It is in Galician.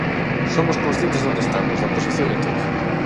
Somos conscientes de onde estamos, da posición e todo.